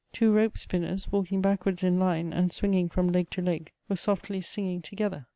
Two rope spinners, walking backwards in line, and swinging from leg to leg, were softly singing together.